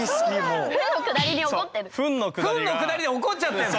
フンのくだりで怒っちゃってんだ？